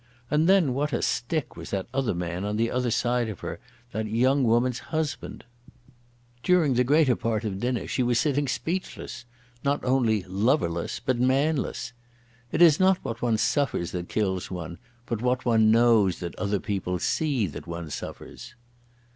And then what a stick was that other man on the other side of her, that young woman's husband! During the greater part of dinner she was sitting speechless, not only loverless, but manless. It is not what one suffers that kills one, but what one knows that other people see that one suffers.